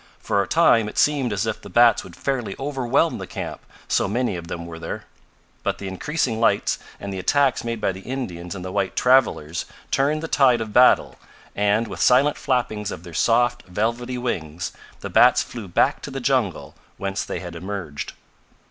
For a time it seemed as if the bats would fairly overwhelm the camp, so many of them were there. But the increasing lights, and the attacks made by the Indians and the white travelers turned the tide of battle, and, with silent flappings of their soft, velvety wings, the bats flew back to the jungle whence they had emerged.